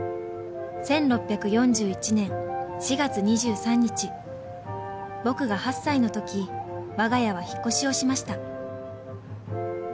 「１６４１年４月２３日僕が８歳のときわが家は引っ越しをしました」